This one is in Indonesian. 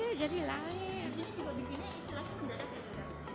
jadi juga bikinnya ekstrasi enggak kakek